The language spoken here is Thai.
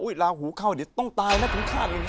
อุ๊ยลาหูเข้าอันนี้ต้องตายนะถึงขาด